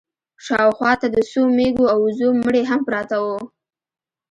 شا و خوا ته د څو مېږو او وزو مړي هم پراته وو.